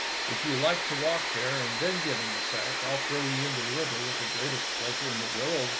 If you like to walk there and then get into the sack, I'll throw you into the river with the greatest pleasure in the world."